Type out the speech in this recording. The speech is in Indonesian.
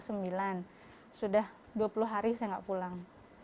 sudah dua puluh hari saya nggak pulang